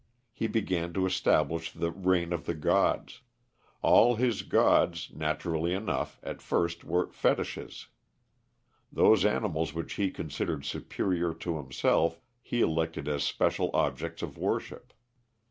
He began to establish the reign of the gods. All his gods, naturally enough, at first were fetishes. Those animals which he considered superior to himself he elected as special objects of worship.